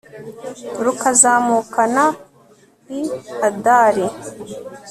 rukazamukana i adari